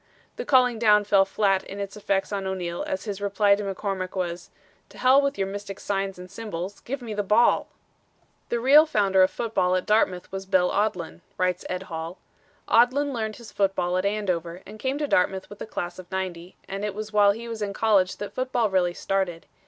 The calling down fell flat in its effects on O'Neal as his reply to McCormick was, 'To Hell with your mystic signs and symbols give me the ball!'" "The real founder of football at Dartmouth was Bill Odlin," writes Ed Hall. "Odlin learned his football at Andover, and came to Dartmouth with the class of '90 and it was while he was in college that football really started.